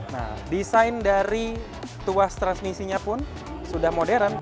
nah desain dari tuas transmisinya pun sudah modern